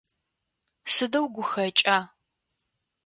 Сыдэу гухэкӀа!